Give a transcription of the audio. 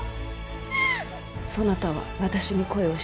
そなたは私に恋をしておるか。